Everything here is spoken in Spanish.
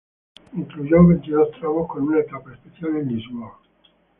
Incluyó veintidós tramos con una etapa especial en Lisboa.